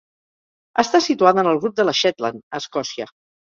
Està situada en el grup de les Shetland, a Escòcia.